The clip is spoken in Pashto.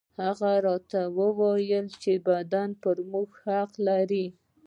هغه راته وويل چې بدن پر موږ حق لري.